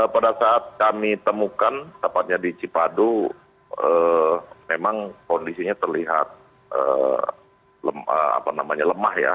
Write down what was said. pada saat kami temukan tepatnya di cipadu memang kondisinya terlihat lemah ya